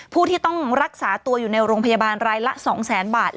ผู้ที่ต้องรักษาตัวอยู่ในโรงพยาบาลรายละ๒๐๐๐๐บาท